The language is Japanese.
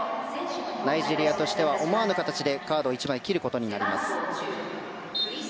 ナイジェリアとしては思わぬ形でカードを１枚切ることになります。